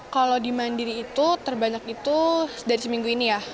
kalau di mandiri itu terbanyak itu dari seminggu ini ya